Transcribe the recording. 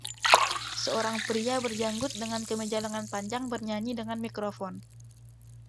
Seorang pria berjanggut dengan kemeja lengan panjang bernyanyi dengan mikrofon.